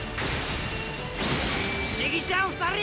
不思議ちゃん２人！